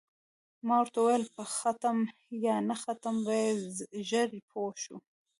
ما ورته وویل: په ختم یا نه ختم به یې ژر پوه شو.